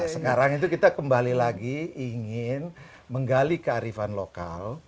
sekarang itu kita kembali lagi ingin menggali kearifan lokal